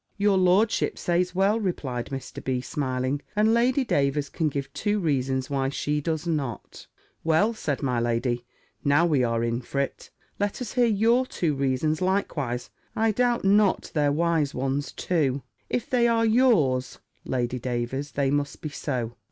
"Your lordship says well," replied Mr. B., smiling: "and Lady Davers can give two reasons why she does not." "Well," said my lady, "now we are in for't, let us hear your two reasons likewise; I doubt not they're wise ones too." "If they are yours, Lady Davers, they must be so.